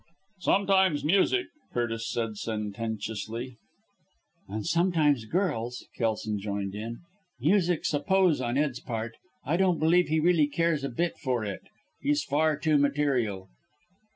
"Sometimes music!" Curtis said sententiously. "And sometimes girls," Kelson joined in. "Music's a pose on Ed's part. I don't believe he really cares a bit for it. He's far too material."